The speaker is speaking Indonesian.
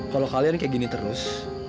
kalau kalian kayak gini terus